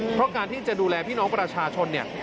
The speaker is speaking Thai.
เพราะการที่จะดูแลพี่น้องประชาชนเนี่ย